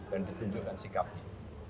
dan ditunjukkan sikapnya